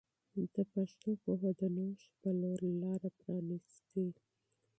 د پښتو پوهه د نوښت په لور لاره پرانیسي.